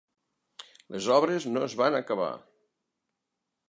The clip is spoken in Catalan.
Les obres no es van acabar.